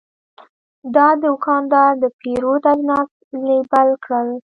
دا دوکاندار د پیرود اجناس لیبل کړل.